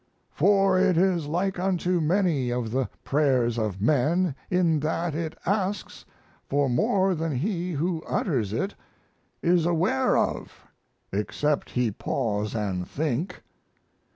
For it is like unto many of the prayers of men in that it asks for more than he who utters it is aware of except he pause & think.